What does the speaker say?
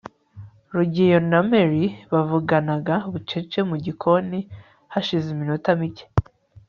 rugeyo na mary bavuganaga bucece mugikoni hashize iminota mike